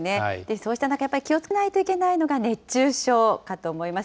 そうした中、やっぱり気をつけないといけないのが熱中症かと思います。